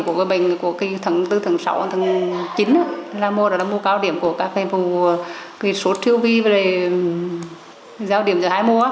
cái mô cao điểm của bệnh của tháng bốn tháng sáu tháng chín là mô cao điểm của các vụ số tiêu vi và giao điểm giữa hai mô